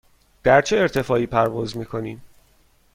در چه ارتفاعی پرواز می کنیم؟